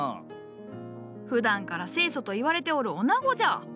ふだんから清楚と言われておるオナゴじゃ！